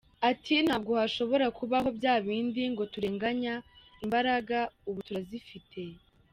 Ati, "Ntabwo hashobora kubaho bya bindi ngo turegeranya imbaraga, imbaraga ubu turazifite.